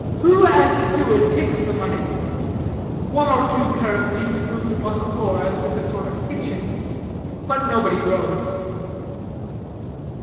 Who, as steward, takes the money?" One or two pair of feet moved upon the floor, as with a sort of itching; but nobody rose.